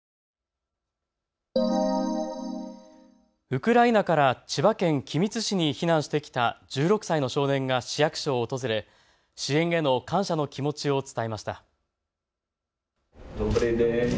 ウクライナから千葉県君津市に避難してきた１６歳の少年が市役所を訪れ支援への感謝の気持ちを伝えました。